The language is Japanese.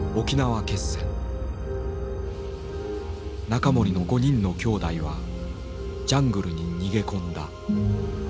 仲盛の５人のきょうだいはジャングルに逃げ込んだ。